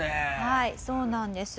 はいそうなんです。